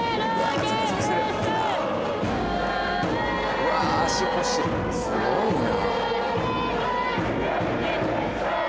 うわ足腰すごいな。